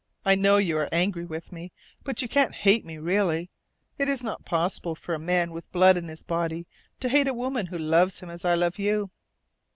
I know you are angry with me, but you can't hate me really. It is not possible for a man with blood in his body to hate a woman who loves him as I love you.